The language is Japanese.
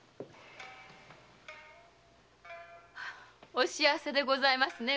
お幸せでございますねえ御前は。